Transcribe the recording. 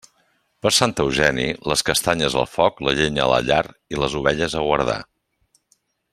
Per Sant Eugeni, les castanyes al foc, la llenya a la llar i les ovelles a guardar.